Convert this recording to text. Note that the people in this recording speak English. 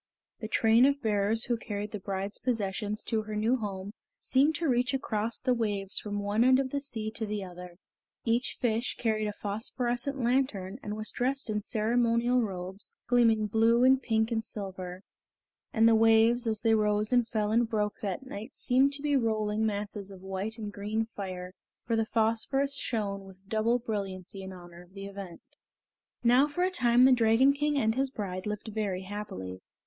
The train of bearers who carried the bride's possessions to her new home seemed to reach across the waves from one end of the sea to the other. Each fish carried a phosphorescent lantern and was dressed in ceremonial robes, gleaming blue and pink and silver; and the waves as they rose and fell and broke that night seemed to be rolling masses of white and green fire, for the phosphorus shone with double brilliancy in honor of the event. Now for a time the Dragon King and his bride lived very happily.